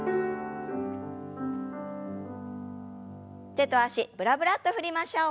手と脚ブラブラッと振りましょう。